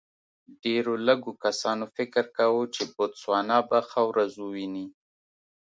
ډېرو لږو کسانو فکر کاوه چې بوتسوانا به ښه ورځ وویني.